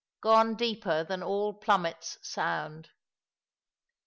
"gone deepeb than all plummets sound."